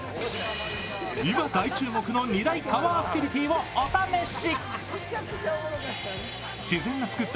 今、大注目の二大川アクティビティーもお試し。